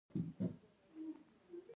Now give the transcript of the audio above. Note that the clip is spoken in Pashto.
خو اساس غله دانه ده.